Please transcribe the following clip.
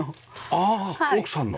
ああ奥さんの？